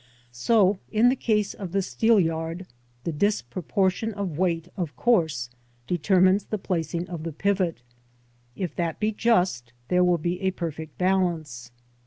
So in the case of the steelyard, the disproportion of weight, of course, determines the placing of the pivot : if that be just, there will be a perfect balance.